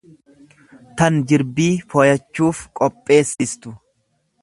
tan jirbii'foyachuuf qopheessistu.